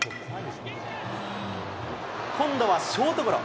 今度はショートゴロ。